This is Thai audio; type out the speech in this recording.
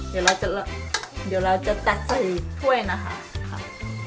เดี๋ยวเราจะแตะใส่ถ้วยนะคะ